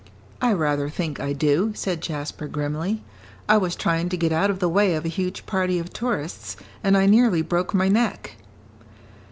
"I rather think I do," said Jasper, grimly. "I was trying to get out of the way of a huge party of tourists, and I nearly broke my neck."